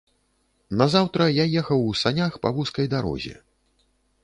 Назаўтра я ехаў у санях па вузкай дарозе.